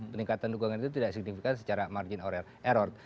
peningkatan dukungan itu tidak signifikan secara margin error